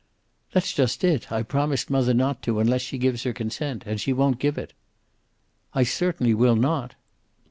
"That's just it. I've promised mother not to, unless she gives her consent. And she won't give it." "I certainly will not."